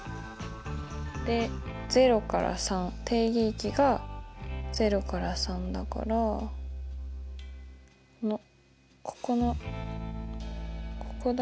で０から３定義域が０から３だからこのここのここだ。